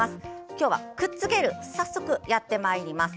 今日は、くっつける早速やってまいります。